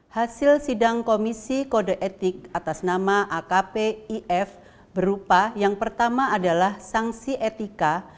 hasil sidang komisi kode etik atas nama akpif berupa yang pertama adalah sanksi etika